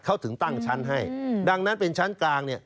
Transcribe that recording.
เขาถึงตั้งชั้นให้ดังนั้นเป็นชั้นกลางเนี่ย